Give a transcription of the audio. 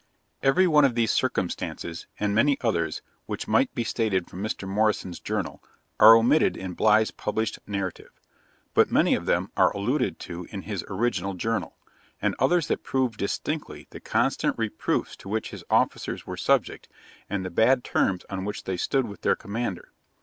Every one of these circumstances, and many others, which might be stated from Mr. Morrison's Journal, are omitted in Bligh's published narrative; but many of them are alluded to in his original Journal, and others that prove distinctly the constant reproofs to which his officers were subject, and the bad terms on which they stood with their commander.